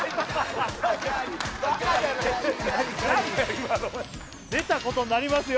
今のは出たことになりますよ